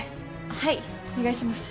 はいお願いします